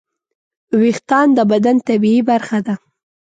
وېښتيان د بدن طبیعي برخه ده.